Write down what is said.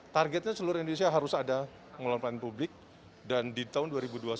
targetnya seluruh indonesia harus ada mall pelayanan publik dan di tahun dua ribu dua puluh satu itu menjadi target utama